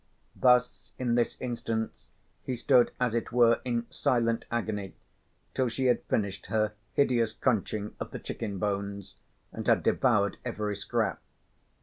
Thus in this instance he stood as it were in silent agony till she had finished her hideous crunching of the chicken bones and had devoured every scrap.